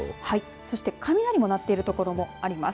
そして雷が鳴っている所もあります。